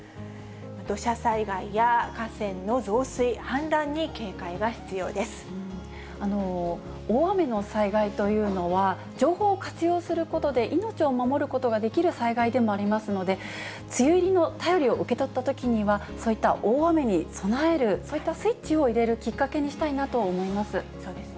土砂災害や河川の増水、大雨の災害というのは、情報を活用することで命を守ることができる災害でもありますので、梅雨入りの便りを受け取ったときには、そういった大雨に備える、そういったスイッチを入れるきっかけにしたいと思います。